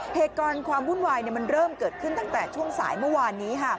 เหตุการณ์ความวุ่นวายมันเริ่มเกิดขึ้นตั้งแต่ช่วงสายเมื่อวานนี้